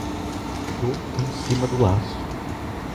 Tô em cima do laço